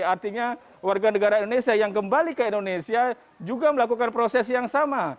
artinya warga negara indonesia yang kembali ke indonesia juga melakukan proses yang sama